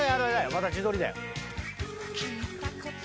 また自撮りだよ。